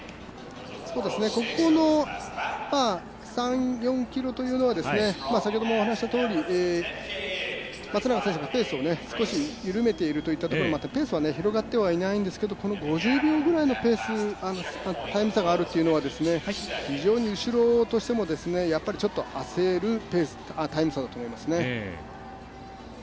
ここの３４ｋｍというのは松永選手がペースを少し緩めているといったところでペースは広がってないんですが５０秒くらいのタイム差があるというのは非常に後ろとしても焦るタイム差だと思いますね。